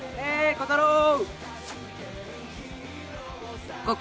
コタロー！